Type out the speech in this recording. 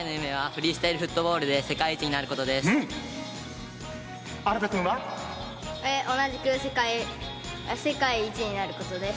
フリースタイルフットボールで世界一になることです。